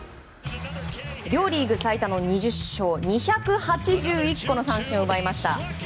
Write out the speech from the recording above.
両リーグ最多の２０勝２８１個の三振を奪いました。